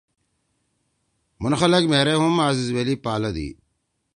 مُھن خلگ مھیرے ہُم عزیزویلی پالدی۔